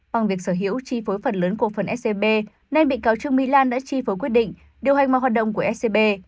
bằng việc sở hữu chi phối phần lớn của phần scb nên bị cáo chương mỹ lan đã chi phối quyết định điều hành mà hoạt động của scb